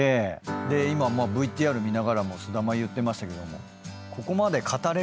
今ＶＴＲ見ながらもすだま言ってましたけども。